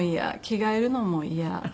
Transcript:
着替えるのもイヤ。